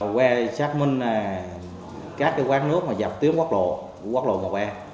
qua xác minh các quán nước dọc tuyến quốc lộ một a